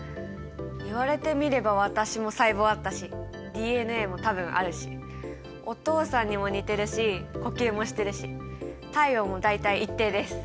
言われてみれば私も細胞あったしＤＮＡも多分あるしお父さんにも似てるし呼吸もしてるし体温も大体一定です。